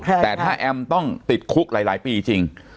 แต่ถ้าแอมต้องติดคุกหลายปีจริง